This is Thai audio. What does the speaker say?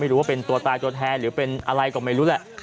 หรือว่าเป็นตัวตายตัวแทนหรือเป็นอะไรก็ไม่รู้แหละ